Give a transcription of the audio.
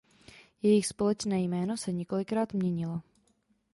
Jejich společné jméno se několikrát měnilo.